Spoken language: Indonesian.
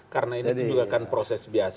karena ini juga kan proses biasa